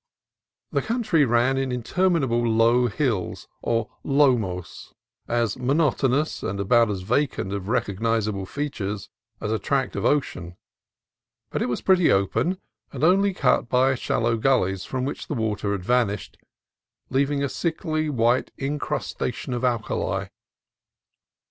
The country ran in interminable low hills, or lomas, as monotonous, and about as vacant of re cognizable features, as a tract of ocean; but it was pretty open, and only cut by shallow gullies from which the water had vanished, leaving a sickly white incrustation of alkali.